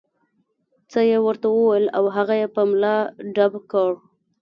څه یې ورته وویل او هغه یې په ملا ډب کړ.